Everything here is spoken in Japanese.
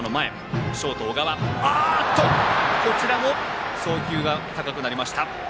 こちらも送球が高くなりました。